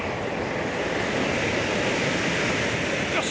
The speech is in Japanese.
よし！